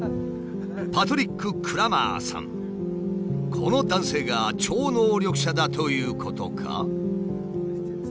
この男性が超能力者だということか？